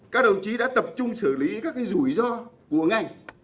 các đồng chí đã tập trung xử lý các rủi ro của ngành